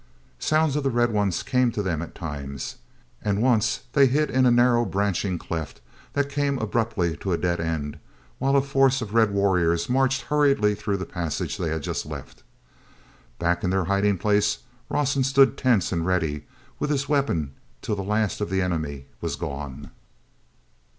ounds of the Red Ones came to them at times. And once they hid in a narrow branching cleft that came abruptly to a dead end, while a force of red warriors marched hurriedly through the passage they had just left. Back in their hiding place Rawson stood tense and ready, with his weapon till the last of the enemy was gone.